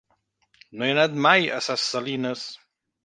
No he anat mai a Ses Salines.